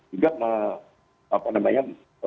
juga apa namanya